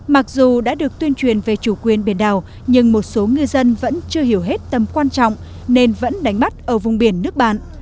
mặc dù đã được tuyên truyền về chủ quyền biển đảo nhưng một số ngư dân vẫn chưa hiểu hết tầm quan trọng nên vẫn đánh bắt ở vùng biển nước bạn